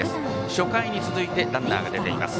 初回に続いてランナーが出ています。